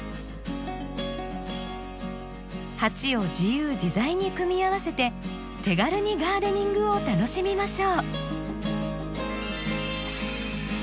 鉢を自由自在に組み合わせて手軽にガーデニングを楽しみましょう！